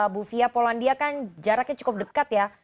bu fia polandia kan jaraknya cukup dekat ya